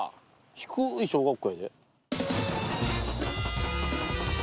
「低い小学校」。